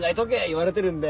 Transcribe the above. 言われてるんで。